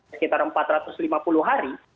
sekitar empat ratus lima puluh hari